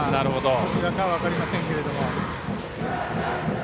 どちらか分かりませんが。